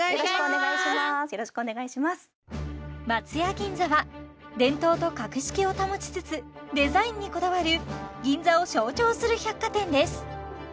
銀座は伝統と格式を保ちつつデザインにこだわる銀座を象徴する百貨店です